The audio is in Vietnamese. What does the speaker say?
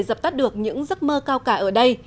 dập tắt được những giấc mơ cao cả ở đây